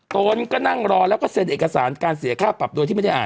ตนก็นั่งรอแล้วก็เซ็นเอกสารการเสียค่าปรับโดยที่ไม่ได้อ่าน